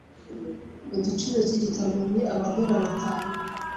Igiciro cyigitabo ni amadorari atanu.